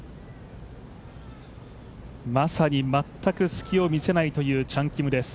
まさに全く隙を見せないというチャン・キムです。